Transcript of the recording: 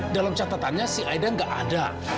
dalam catatannya si aida nggak ada